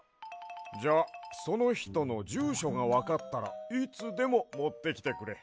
じゃそのひとのじゅうしょがわかったらいつでももってきてくれ。